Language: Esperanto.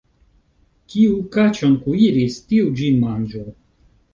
Kiu kaĉon kuiris, tiu ĝin manĝu.